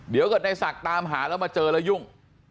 เดี๋ยวเกิดในศักดิ์ตามหาแล้วมาเจอแล้วยุ่ง